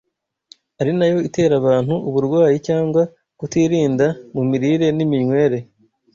ari nayo itera abantu uburwayi cyangwa kutirinda mu mirire n’iminywere